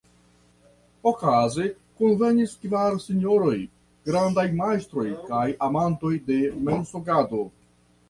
Okaze kunvenis kvar sinjoroj, grandaj majstroj kaj amantoj de mensogado.